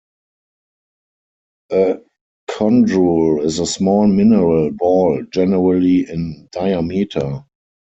A chondrule is a small mineral ball generally in diameter.